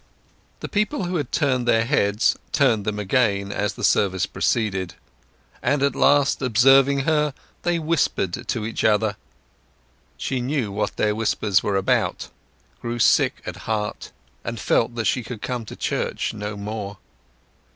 The people who had turned their heads turned them again as the service proceeded; and at last observing her, they whispered to each other. She knew what their whispers were about, grew sick at heart, and felt that she could come to church no more.